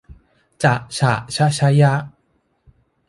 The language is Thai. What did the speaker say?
จะฉะชะฌะญะ